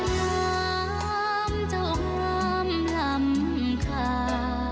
ล้ามเจ้าห้ามลำคา